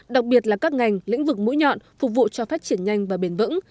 đặc biệt là các ngành lĩnh vực mũi nhọn phục vụ cho phát triển nhanh và bền vững